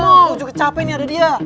sama lu juga capek nih ada dia